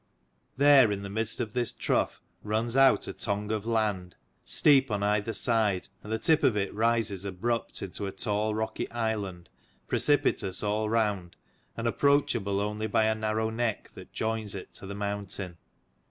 There in the midst of this trough runs out a tongue of land, steep on either side : and the tip of it rises abrupt into a tall rocky island, precipitous all round, and approachable only by a narrow neck that joins it to the mountain.